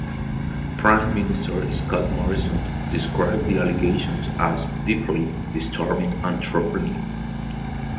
Prime Minister Scott Morrison described the allegations as "deeply disturbing and troubling".